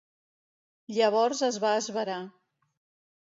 Llavors es va esverar.